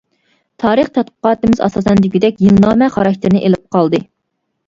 تارىخ تەتقىقاتىمىز ئاساسەن دېگۈدەك يىلنامە خاراكتېرىنى ئېلىپ قالدى.